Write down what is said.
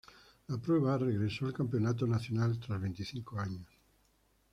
La prueba regresó al campeonato nacional tras veinticinco años.